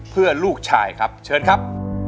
เพื่อลูกชายครับเชิญครับ